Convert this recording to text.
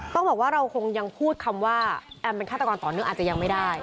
ต้องบอกว่าเราคงยังพูดคำว่าแอมเป็นฆาตกรต่อเนื่องอาจจะยังไม่ได้